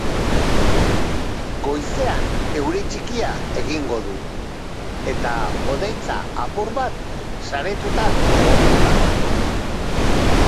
Goizean euri txikia egingo du, eta hodeitza apur bat saretuta egongo da.